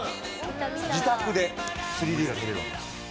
自宅で３Ｄが見れるわけですから。